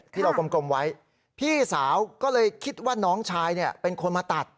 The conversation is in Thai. ที่เรากลมไว้พี่สาวก็เลยคิดว่าน้องชายเนี่ยเป็นคนมาตัด